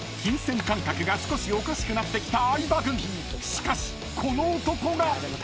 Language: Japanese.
［しかしこの男が！］